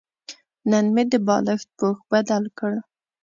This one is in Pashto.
نن مې د بالښت پوښ بدل کړ.